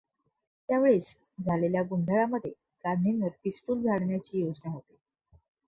त्या वेळेस झालेल्या गोंधळामध्ये गांधींवर पिस्तूल झाडण्याची योजना होती.